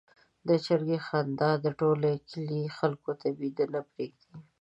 د چرګې خندا د ټول کلي خلکو ته بېده نه پرېږدي.